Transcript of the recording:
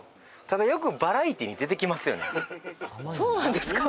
ただよくバラエティーに出てきますよねそうなんですか？